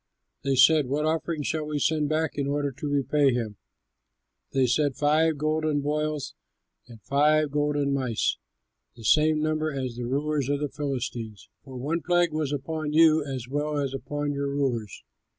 They said, "What offering shall we send back in order to repay him?" They said, "Five golden boils and five golden mice, the same number as the rulers of the Philistines; for one plague was upon you as well as upon your rulers.